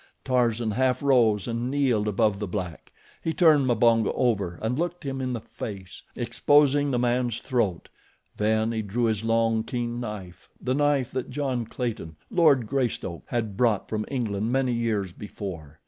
Tarzan half rose and kneeled above the black. He turned Mbonga over and looked him in the face, exposing the man's throat, then he drew his long, keen knife, the knife that John Clayton, Lord Greystoke, had brought from England many years before.